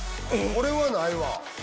これはないわ。